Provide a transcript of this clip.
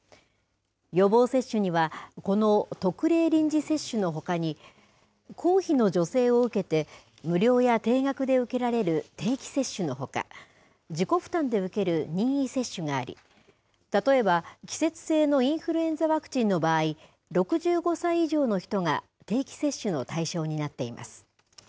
予防接種には、この特例臨時接種のほかに、公費の助成を受けて無料や低額で受けられる定期接種のほか、自己負担で受ける任意接種があり、例えば、季節性のインフルエンザワクチンの場合、６５歳以上の人が定期接種の対象になっています。